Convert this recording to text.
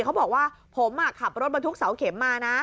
เขาบอกว่าผมขับรถมาทุกเศร้าเขมมา